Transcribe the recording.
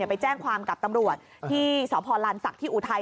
ไปแจ้งความกับตำรวจที่สพลานศักดิ์ที่อุทัย